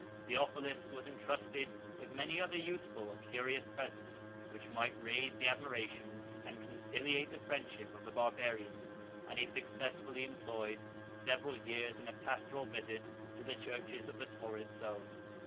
Theophilus was intrusted with many other useful or curious presents, which might raise the admiration, and conciliate the friendship, of the Barbarians; and he successfully employed several years in a pastoral visit to the churches of the torrid zone.